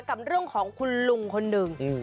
กับเรื่องของคุณลุงคนหนึ่ง